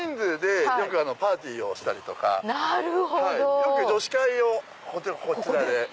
よく女子会をこちらで。